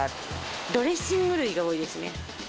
ドレッシング類が多いですね。